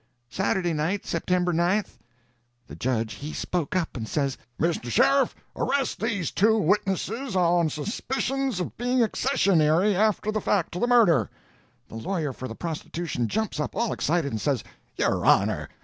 "Saturday night, September 9th." The judge he spoke up and says: "Mr. Sheriff, arrest these two witnesses on suspicions of being accessionary after the fact to the murder." The lawyer for the prostitution jumps up all excited, and says: "Your honor!